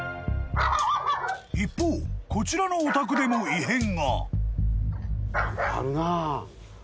［一方こちらのお宅でも異変が］